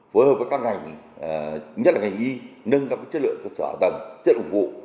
phối hợp với các ngành nhất là ngành y nâng các chất lượng cơ sở tầng chất ủng vụ